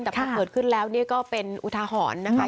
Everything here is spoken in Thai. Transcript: แต่พอเกิดขึ้นแล้วก็เป็นอุทาหรณ์นะคะ